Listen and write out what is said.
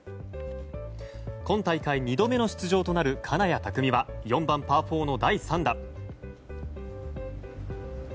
今大会２度目の出場となる金谷拓実は４番、パー４の第３打。